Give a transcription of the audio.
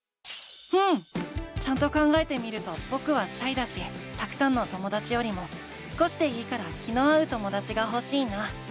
うん！ちゃんと考えてみるとぼくはシャイだしたくさんのともだちよりも少しでいいから気の合うともだちがほしいな。